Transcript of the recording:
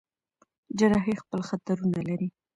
جراحي خپل خطرونه لري.